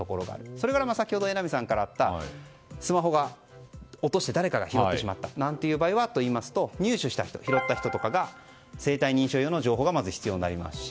それから先ほど榎並さんからあったスマホ落として誰かが拾ってしまった場合ということでは入手した人、拾った人は生体認証の情報がまず必要になりますし。